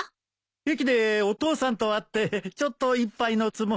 駅でお父さんと会ってちょっと一杯のつもりが。